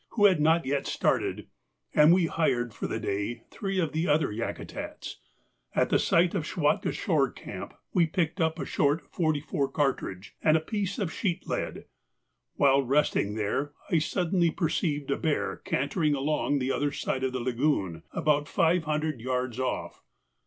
who had not yet started, and we hired for the day three of the other Yakutats. At the site of Schwatka's shore camp we picked up a short .44 cartridge and a piece of sheet lead. While resting there I suddenly perceived a bear cantering along the other side of the lagoon about five hundred yards off.